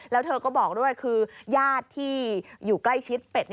แล้วเธอก็บอกด้วยคือญาติที่อยู่ใกล้ชิดเป็ด